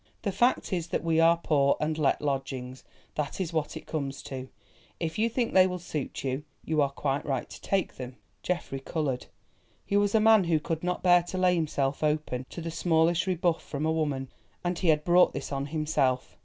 The fact is that we are poor, and let lodgings—that is what it comes to. If you think they will suit you, you are quite right to take them." Geoffrey coloured. He was a man who could not bear to lay himself open to the smallest rebuff from a woman, and he had brought this on himself.